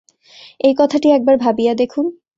এই কথাটি একবার ভাবিয়া দেখুন।